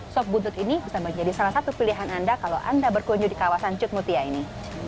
sop buntut ini bisa menjadi salah satu pilihan anda kalau anda berkunjung di kawasan cutmutia ini